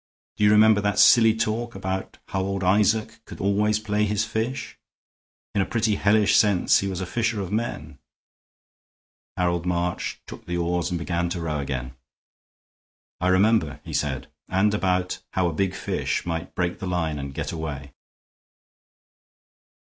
Do you remember that silly talk about how old Isaac could always play his fish? In a pretty hellish sense he was a fisher of men." Harold March took the oars and began to row again. "I remember," he said, "and about how a big fish might break the line and get away."